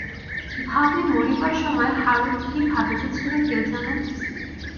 ভাবে, মরিবার সময় হারু কী ভাবিতেছিল কে জানে!